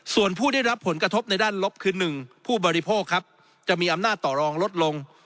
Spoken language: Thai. ส่วนผู้ได้รับผลกระทบในด้านลบคือ๑ผู้บริโภคครับจะมีอำนาจต่อรองลดลง